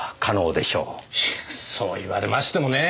そう言われましてもねえ。